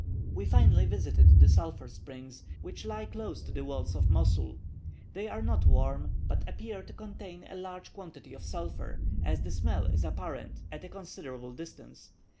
We finally visited the sulphur springs, which lie close to the walls of Mosul. They are not warm, but appear to contain a large quantity of sulphur, as the smell is apparent at a considerable distance.